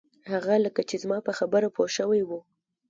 هغه لکه چې زما په خبره پوی شوی و.